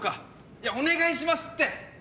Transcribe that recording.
いやお願いしますって。